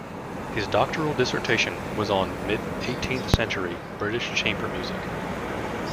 His doctoral dissertation was on mid-eighteenth-century British chamber music.